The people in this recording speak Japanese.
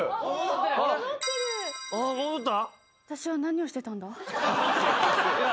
戻った？